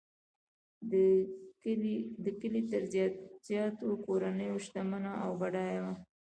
د کلي تر زیاتو کورنیو شتمنه او بډایه وه.